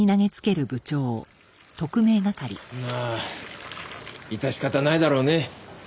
まあ致し方ないだろうね。